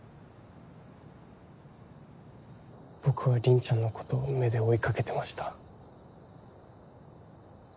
僕は凛ちゃんのことを目で追いかけてました。